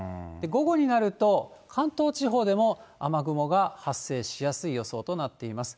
午後になると、関東地方でも雨雲が発生しやすい予想となっています。